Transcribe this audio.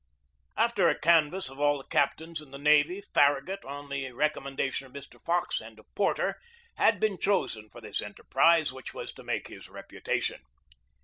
After a canvass of all the captains in the navy, Farragut, on the recommendation of Mr. Fox and of Porter, had been chosen for this enterprise, which was to make his reputation.